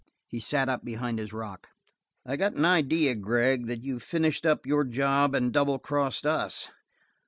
He sat up behind his rock. "I got an idea, Gregg, that you've finished up your job and double crossed us!